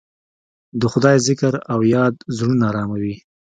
د خدای ذکر او یاد زړونه اراموي.